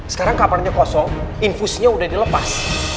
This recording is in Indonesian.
sekarang kamarnya kosong infusinya udah dilepas